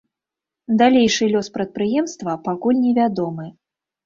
Далейшы лёс прадпрыемства пакуль не вядомы.